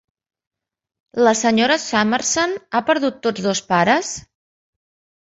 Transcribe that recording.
La senyora Summerson ha perdut tots dos pares?